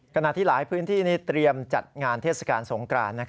ขณะที่หลายพื้นที่นี้เตรียมจัดงานเทศกาลสงกราน